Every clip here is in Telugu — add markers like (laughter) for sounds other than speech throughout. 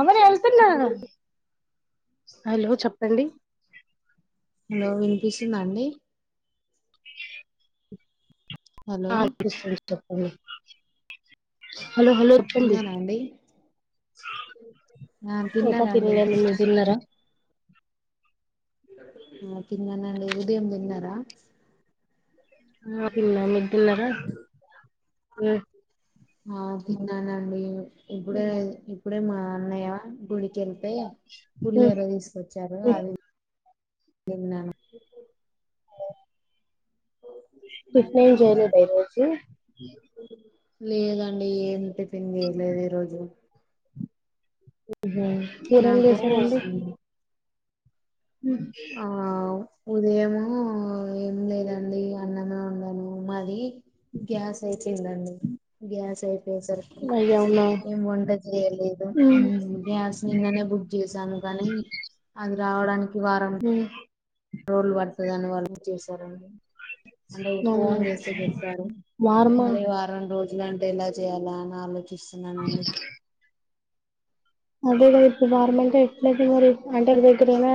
అమ్మ నేను వెళ్తున్నా హలో చెప్పండి హలో వినిపిస్తుందా అండి హలో ఆ వినిపిస్తుంది చెప్పండి హలో హలో వత్తుంది తిన్నారా అండి ఆ ఇంకా తిన్నారాండి తినలే మీరు దిన్నరా ఆ తిన్ననండి ఉదయం దిన్నరా ఆ తిన్న మీరు తిన్నరా ఆ తిన్నానండి ఇప్పుడే ఇప్పుడే మా అన్నయ్య గుడి కెళ్తే ఉమ్ పులిహోర దీసుకొచ్చారు ఉమ్ అది తిన్నాను టిఫిన్ ఏం చేయలేదా ఈ రోజు లేదండి ఏం టిఫిన్ జేయలేదు ఈరోజు ఉమ్ హు కూర ఏం నాకు జేశారండి ఉమ్ ఆ ఉదయము ఏం లేదండి అన్నమే వండాను మాది గ్యాస్ అయిపోయిందండి గ్యాస్ అయిపోయేసరికి అయ్యో అవునా ఏం వంట చేయలేదు ఉమ్ గ్యాస్ నిన్ననే బుక్ చేసాను కానీ అది రావడానికి వారం ఉ రోజులు పడుతది అని వాళ్ళు చేశారండి అంటే అవునా ఫోన్ చేసి చెప్పారు వారమా మరి వారం రోజు ఇలా అంటే ఎలా చేయాలా అని ఆలోచిస్తున్నానండి అదే గద ఇప్పుడు వార మంత ఎట్ల అయిపోయిందో అంటే దగ్గరేనా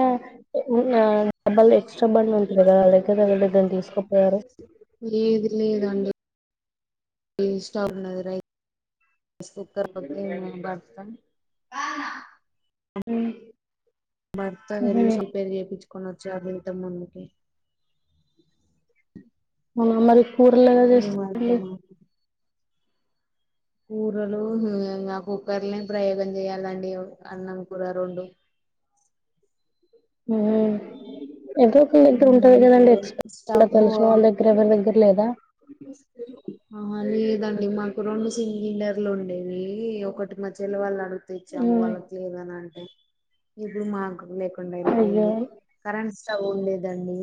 ఉ ఆ (unintelligible) కష్టపడిన ఉంటది కదా లెక్క కడి దాని తీసుకుపోరు ఇస్తానరై రైస్ కుక్కర్ తోని మేము బర్తం ఉమ్ భర్తగన్ని ఉహు రిపేర్ చెపిచ్చు కొనచ్చ ఇంతకు ముందుకి మ మరి కూరలు ఎలా ఏం చేస్తుంది అర్థమా కూరలు ఆ కుక్కర్ని ప్రయోగం చేయాలండి అన్నం కూర రొండు (inaudible) ఆ ఎవరో ఒకళ దగ్గర మ్ ఉంటది కదండి ఇప్పుడు ఎక్స్ స్టవ్ తెలిసిన వాళ్ళ దగ్గర ఎవరి దగ్గర లేదా అ లేదా మీకు మనకు రెండు సిలిండర్లు ఉండేవి ఒకటి మా చెల్లి వాళ్ళు అడు ఇచ్చాము మ్మ్. వాళ్ళకి లేదని అంటే ఇప్పుడు మాకు లేకుండా అయ్యో ఎల్లిపోయింది కరెన్స్ సగు ఉండేదండి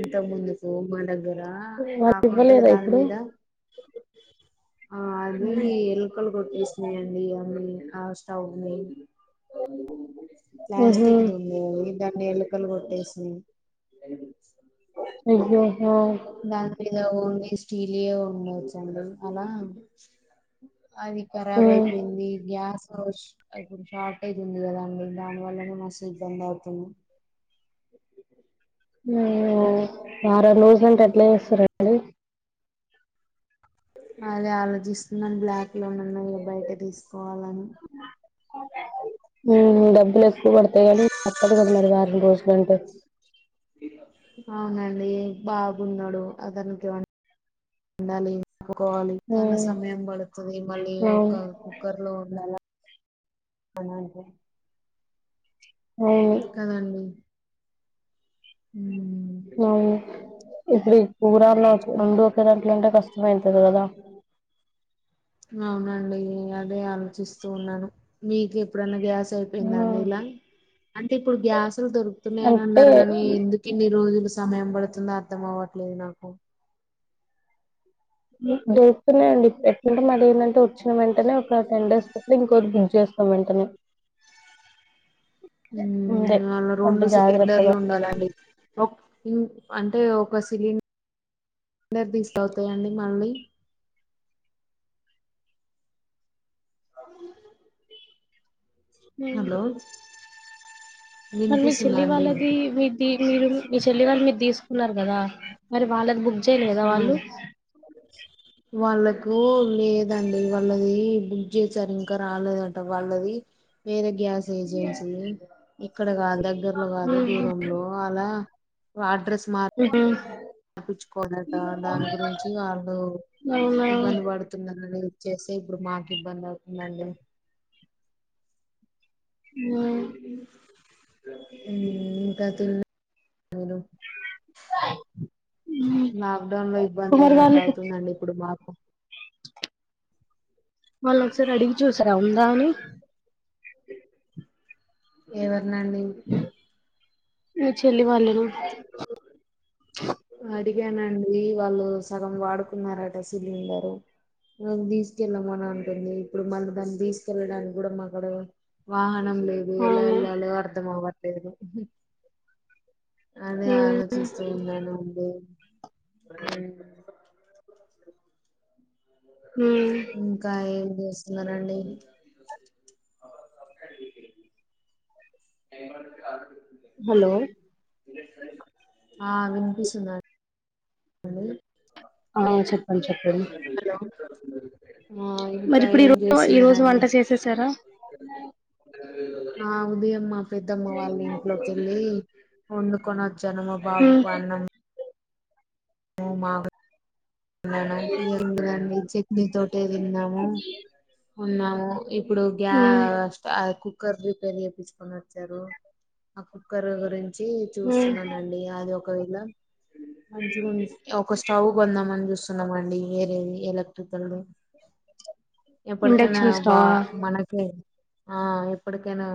ఇంతకు ముందుకు మా దగ్గర వాళ్ళు కాకు ఒకే ఇవ్వలేదా దాని ఇప్పుడు మీద ఆ అది ఎలుకలు కొట్టేసినాయండి అన్నీ ఆ స్టవ్ ని ఉహు ప్లాస్టిక్ది ఉండే దాన్ని ఎలకలు కొట్టేసి (unintelligible) అయ్యో హా ఇగ ఓన్లీ స్టీలీ యే ఉన్నాయి తెల్సండి అలా అది ఖరాబ్ మ్మ్. అయిపోయింది గ్యాస్ ఇప్పుడు షార్టేజ్ ఉంది కదా అండి దాని వల్లనే మస్తు ఇబ్బంది అవుతుంది (inaudible) ఊ వారం రోజులు అంటే ఎట్ల చేస్తారండి అదే ఆలోచిస్తున్నాను బ్లాక్ లోన అన్నా ఇక బయట తీసుకోవాలని ఉ డబ్బుల్ ఎక్ కువ పడితాయనీ తప్పదు కదా మరి వారం రోజులంటే అవునండి బాబున్నాడు అతనికి ఏ (inaudible) ఉండాలి కప్పుకోవాలి చాలా మ్మ్. సమయం పడుతుంది మళ్ళీ ఒక అవును కుక్కర్ లో వండాల అవును లే అవును కదండి ఉ అవును ఇప్పుడు కురాల్లో రెండు ఒక దాంట్లో అంటే కష్టమయితది కదా అవునండి అదే ఆలోచిస్తూ ఉన్నాను మీకు ఎప్పుడన్నా గ్యాస్ అయిపోయిందా మ్మ్. అండి ఇలా అంటే ఇప్పుడు గ్యాస్లు దొరుకుతున్నాయని అంటే అన్నారు కానీ ఎందుకు ఇన్ని రోజులు సమయం పడుతుందా అర్థం అవట్లేదు నాకు దోరుకుతున్నాయండి టన్నా ఏందంటే వచ్చిన వెంటనే టెన్ డేస్ కట్లా ఇంకోటి బుక్ చేస్తాం వెంటనే ముందే ఉమ్ అలా అంటే రెండు సిలిండర్లు జాగ్రత్తగా ఉండాలండి ఒక్ ఉమ్ అంటే ఒక సిలీండ్ అందర్ తీసుకవుతాయండి మళ్ళీ అ హలో మరి మీ వినిపిస్తుందా చెల్లి అండి వాళ్ళది మీది బీ మీరు మీ చెల్లి వాళ్ మీర్ తీసుకున్నారు కదా మరి వాళ్ళక్ బుక్ చేయలేదా హా వాళ్ళు వాల్లద్ కు లేదండి వాళ్ళది బుక్ చేసారు ఇంకా రాలేదంట వాళ్ళది వేరే గ్యాస్ ఏజెన్సీ ఇక్కడ కాదు దగ్గర్లో కాదు ఉహు దూరంలో అలా వాడ్రెస్ ఊహు తప్పించుకోలేట దాని గురించి వాళ్ళు అవునా ఇబ్బంది పడుతున్నా ఇచ్చేస్తే ఇప్పుడు మాకు ఇబ్బంది అవుతుందండి ఉమ్ ఇంకా తి అవును లాక్డౌన్ లో ఇబ్బంది మరి అయినట్టు వాళ్ళు అవుతుందండి ఇప్పుడు మాకు వాళ్ళను ఒకసారి అడిగి చూసారా ఉందా అని ఏవర్నండి? మీ చెల్లి వాళ్ళును అడిగానండి వాళ్ళు సగం వాడుకున్నారట సిలిండరు నన్ తీసుకెళ్ళమ అని అంటుంది ఇప్పుడు మళ్ళీ దాన్ని తీసుకెళ్ళడానికి కూడా మాకాడ వాహన నం లేదు ఎలా అవును ఎల్లాలో అర్థమవ్వట్లేదు అదే ఆలోచిస్తూ ఉన్నాను అండి ఉమ్ ఇంకా ఏం చేస్ స్తున్నారండి ఏం పన్లేదు ఖలీగా ఉండ్ హలో వినిపిస్తుందా లేదా ఆ వినిపిస్తున్నా అలో ఆ చెప్ హలో ఆ మరి ఇంకా ఇప్పుడు ఈ ఏం రోజ్ ఈ రోజు చేస్తున్నారండి వంట చేసేసారా? ఆ ఉదయం మా పెద్దమ్మ వాళ్ళ ఇంట్లోకి వెళ్ళి వండు కొనొ చ్చాను మా బాబుకు అన్నం ము మాగ్ ఉన్నాను (unintelligible) చెట్నీ తోటే తిన్నాము ఉన్నాము ఇప్పుడు గ్యా ఉమ్. స్ట్ కుక్కర్ రిపేర్ చేపిచ్చుకొని వచ్చారు ఆ కుక్ ఒకరు గురించి ఉమ్. చూస్తున్నానండి అది ఒక్ ఒకవేళ మంచి ఒక స్టవ్ కొందామనుకున్ చూస్తున్నాం అండి వేరేది ఎలక్ట్రికల్ ది ఎప్పటికైన ఇండక్షన్ బా స్టవ్ మనకే ఆ ఎప్పటికైనా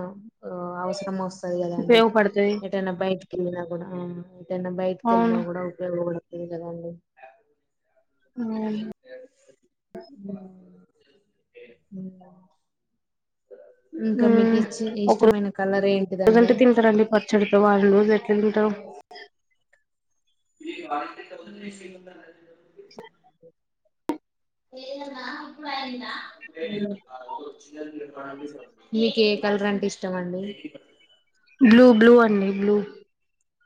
అవసరం వస్తది కదండి ఉపయోగపడుతది ఏటైన బయటికి వెళ్ళినా కూడ (unintelligible) బయటిక అవును వెళ్ళినా కూడ ఉపయోగపడుతుంది కదండి ఉమ్ ఉమ్. స ఇంకా మీకు ఉమ్. ఇచ్చి ఒక ఇష్టమైన కలర్ ఏంటిదండి రోజంటే తింటారండి పచ్చడితో వారం రోజు ఎట్లా తింటారు హు ఇ నీకే కలర్ కలర్ అంటే ఇష్టమండి బ్లూ బ్లూ అండి బ్లూ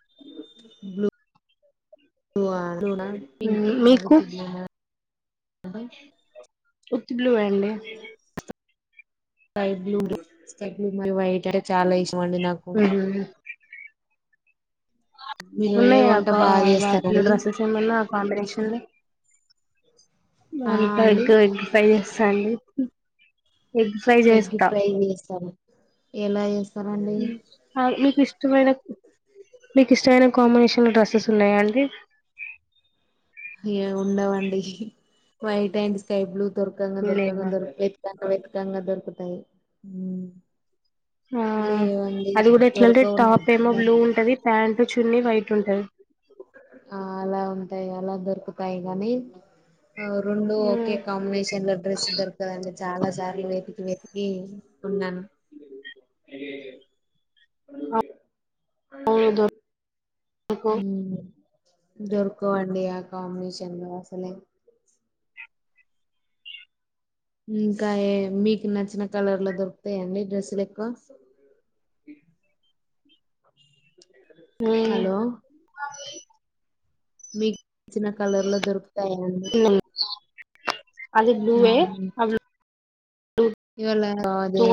(unintelligible) నా పింక్ ఉమ్. (unintelligible) ఆ మీకు ఉత్త బ్లూ అండి స్కై బ్లూ మళ్ళ వైట్ (unintelligible) అండి నాకు ఉహు. మీరు ఏ ఉన్నాయ ఆ వంట బాగా చేస్తారండి వాటిలో డ్రెస్సెస్ ఏమన్నా ఆ కాంబినేషన్లో (unintelligible) ఆ అండి ఎగ్ ఎగ్ ఫ్రై చేస్తాండి ఎగ్ ఫ్రై ఎగ్ చేస్త ఫ్రై చేస్తాను ఎలా చేస్తారండి ఇష్టమైన మీకు ఇష్టమైన కాంబినేషన్లో డ్రెస్సెస్ ఉన్నాయా అండి ఎం ఉండవండి వైట్ అండ్ స్కై బ్లూ దొరకాంగ దొర్కాంగ లేవా దొ వేతకంగ వెతుకంగా దొరుకుతాయి ఆ లేవండి అది కూడ ఎట్లాంటే దొరకవు టాప్ ఏమో బ్లూ నాకు ఉంటది ప్యాంట్ చున్ని వై ఆ అల ఉంటాయి అలా దొరుకుతాయి కానీ రెండు ఒకే కాంబినేషన్ లో డ్రెస్ దొరకదండి చాల సార్లు వే వెతికి ఉన్నాన్ అ అవును దొరకు దొర్కు వండి ఆ కాంబినేషన్లో అసలే ఇంకా మీకు నచ్చిన కలర్లో దొరుకుతాయిండి డ్రెస్సులు ఎక్కువ ఉన్నాయి హలో మీకుచ్చిన కలర్ లో దొరుకుతాయండి అది బ్లూ ఏ ఇవల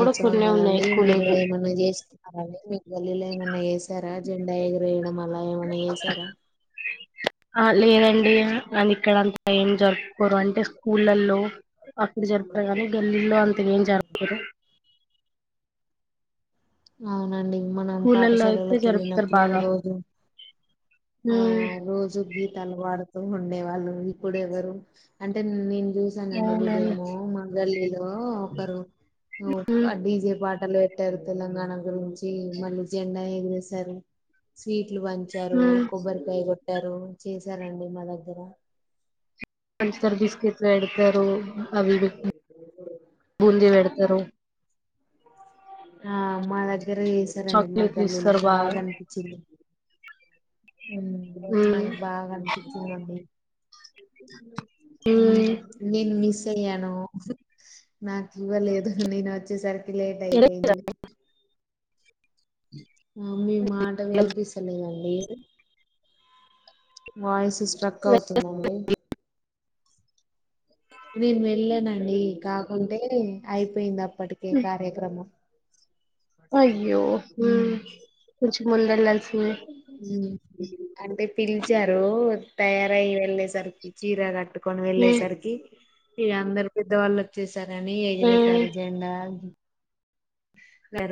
కూడా కొన్నే ఉన్నాయి కదండి ఎక్కువ మీరు లేవు ఏమన్నా చేస్తున్నారడి మీ గల్లీలో ఏమన్నా చేసారా జెండ ఎగరేయడం అలా ఏమన్నా చేసార ఆ లేదండి అని ఇక్కడంత ఏం జరుపుకోరు అంటే స్కూళ్లల్లో అక్కడ జర్పుతరు కాని గల్లీల్లో అంత ఏం జరుపుకోరు అవునండి మనం స్కూళ్ళల్లో అయితే పాఠశాలలోకి జరుపుతారు వెళ్ళినప్పుడు బాగా రోజు ఆ ఉమ్ రోజు గీతలు పాడు ఉండే వాళ్ళు ఇప్పుడు ఎవరు అంటే నే చూసానండి అవునండి ఉదయము మ గల్లీలో ఒకరు ఉమ్ డీజే ప (unintelligible) పెట్టారు తెలంగాణ గురించి మళ్ళీ జెండా ఎగిరసారు స్వీట్ ట్లు పంచారు ఉమ్ కొబ్బరికాయ కొట్టారు చేసారండి మా దగ్గర మంచిరల్ బిస్కెట్ ఎడ్ తారు అవి బూంది పెడతారు ఆ మా దగ్గర చేసారండి మా చాక్లెట్లు గల్లీలో ఇస్తారు బాగా అనిపించింది. ఆ ఉమ్, నాకు బాగా అనిపించింది అండి ఉమ్, హ్మ్మ్ నేను మీస్ చెయను నాకు ఇవ్వలేదు నేను వచ్చేసరికి లేట్ ఎలా అయిపోయింది. ఆ మీ మాట వెళ్ళాలి? వినిపిస్తలేదండీ వాయిస్ స్ట్రక్ అవుతుందండి నేను వెళ్ళానండి కాకుంటే అయిపోయింది అప్పటికే కార్యక్రమం అయ్యో ఉమ్, హ్మ్మ్ కొంచం ముందు వెళ్ళాల్సింది ఉమ్. అంటే పిలిచారు తయారయి వెళ్ళేసరికి చీర కట్టు కొని ఉమ్, వెళ్ళేసరికి ఇ అందరు పెద్దవాళ్ళు వచ్చేసారని ఉమ్, ఎగిరేశారు జెండా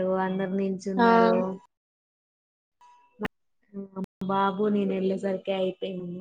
రూ అందరు ఆ నిల్చున్నారు. బాబు నేను ఎల్లేసరికి అయిపోయింది.